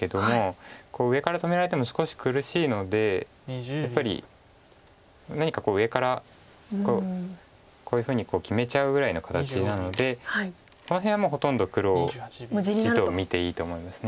上から止められても少し苦しいのでやっぱり何か上からこういうふうに決めちゃうぐらいの形なのでこの辺はもうほとんど黒地と見ていいと思います。